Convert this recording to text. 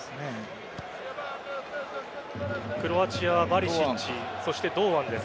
クロアチアはバリシッチそして堂安です。